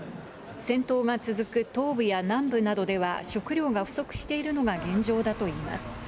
戦闘が続く東部や南部などでは、食料が不足しているのが現状だといいます。